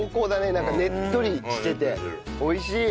なんかねっとりしてて美味しい。